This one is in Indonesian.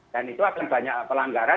dan itu akan banyak pelanggaran